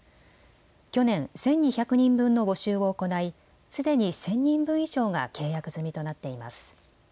去年１２００人分の募集を行いすでに１０００人分以上が契約済みとなっています。